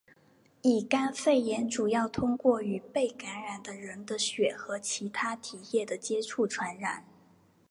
乙型肝炎主要通过与被感染的人的血和其它体液的接触传染。